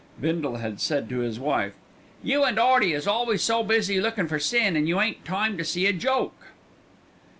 Bindle had said to his wife: "You and 'Earty is always so busy lookin' for sin that you ain't time to see a joke."